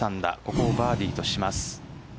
ここをバーディーとします。